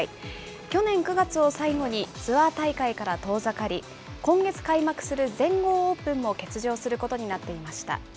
去年９月を最後にツアー大会から遠ざかり、今月開幕する全豪オープンも欠場することになっていました。